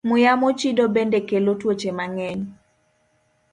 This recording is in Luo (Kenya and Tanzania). Muya mochido bende kelo tuoche mang'eny.